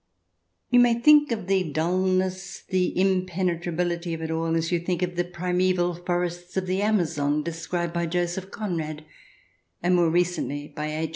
You may think of the dulness, the impenetrability of it all, as you think of the primeval forests of the Amazon, described by Joseph Conrad and more recently by H.